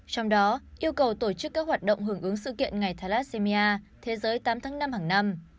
trong đó yêu cầu tổ chức các hoạt động hưởng ứng sự kiện ngày thalassemia thế giới tám tháng năm hàng năm